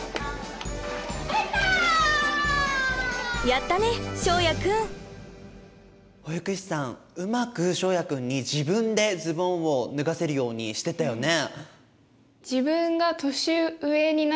やったね翔也くん！保育士さんうまく翔也くんに自分でズボンを脱がせるようにしてたよね。